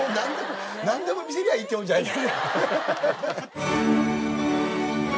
なんでも見せりゃあいいってもんじゃない。